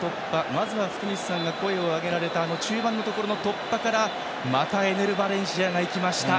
まずは福西さんが声を上げられた中盤での突破からまたエネル・バレンシアが行きました。